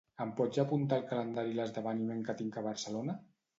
Em pots apuntar al calendari l'esdeveniment que tinc a Barcelona?